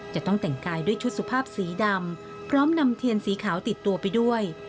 จะต้องแต่งกายด้วยชุดสุภาพสีดำพร้อมนำเทียนสีขาวติดตัวไปด้วย